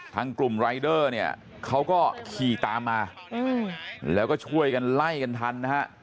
กลุ่มรายเดอร์เนี่ยเขาก็ขี่ตามมาแล้วก็ช่วยกันไล่กันทันนะฮะ